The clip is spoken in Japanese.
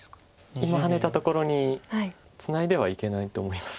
今ハネたところにツナいではいけないと思います。